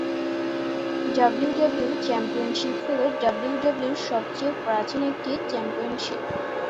WWE championship হলো ডাব্লিউডাব্লিউইর সবচেয়ে প্রাচীন একটি চ্যাম্পিয়নশিপ।